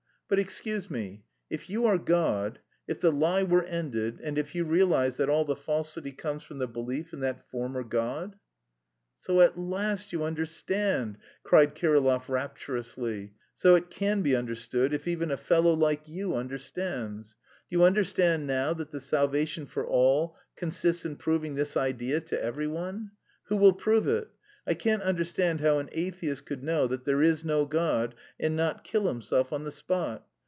But excuse me, if you are God? If the lie were ended and if you realised that all the falsity comes from the belief in that former God?" "So at last you understand!" cried Kirillov rapturously. "So it can be understood if even a fellow like you understands. Do you understand now that the salvation for all consists in proving this idea to every one? Who will prove it? I! I can't understand how an atheist could know that there is no God and not kill himself on the spot.